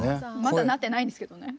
まだなってないんですけどね。